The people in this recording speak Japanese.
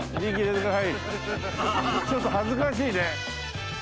ちょっと恥ずかしいね。